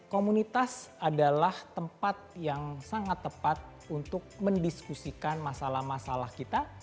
komunitas adalah tempat yang sangat tepat untuk mendiskusikan masalah masalah kita